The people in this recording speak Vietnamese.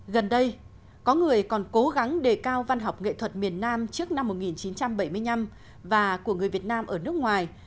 gần đây có người còn cố gắng đề cao văn học nghệ thuật miền nam trước năm một nghìn chín trăm bảy mươi năm và của người việt nam ở nước ngoài